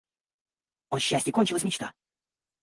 О счастьи кончилась мечта.